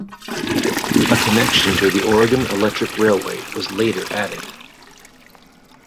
A connection to the Oregon Electric Railway was later added.